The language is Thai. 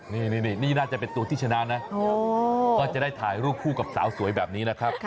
นี่น่าจะเป็นตัวที่ชนะนะก็จะได้ถ่ายรูปคู่กับสาวสวยแบบนี้นะครับ